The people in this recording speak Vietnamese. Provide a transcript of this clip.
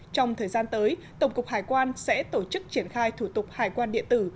trong thời gian tới tổng cục hải quan sẽ tổ chức triển khai thủ tục hải quan điện tử